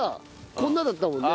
こんなだったもんね。